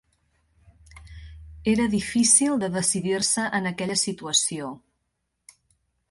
Era difícil de decidir-se en aquella situació.